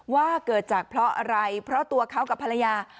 ว่าเกิดจากเพราะอะไรเพราะตัวเขากับภรรยา